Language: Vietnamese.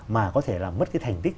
mà có thể làm mất cái thành tích